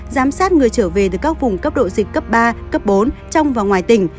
giám sát người trở về từ các vùng cấp độ dịch cấp ba cấp bốn trong và ngoài tỉnh